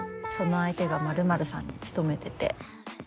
その相手がまるまるさんに勤めてて。